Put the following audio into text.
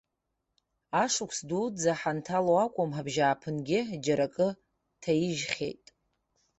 Ашықәс дуӡӡа ҳанҭало акәым, абжьааԥынгьы џьара акы ҭаижьхьеит.